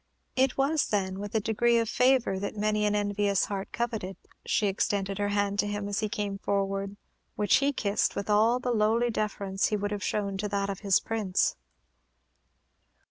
It was, then, with a degree of favor that many an envious heart coveted, she extended her hand to him as he came forward, which he kissed with all the lowly deference he would have shown to that of his prince.